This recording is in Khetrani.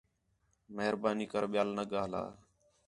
مہربانی کر ٻیاں نہ ڳاھلا